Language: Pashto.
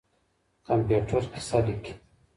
کمپيوټر کيسه ليکي.